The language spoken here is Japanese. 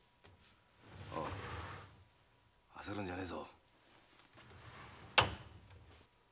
あせるんじゃねえぞ。